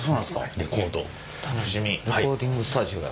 レコーディングスタジオや。